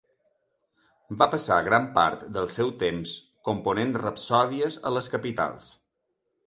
Va passar gran part del seu temps component rapsòdies a les capitals.